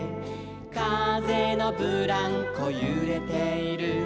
「かぜのブランコゆれている」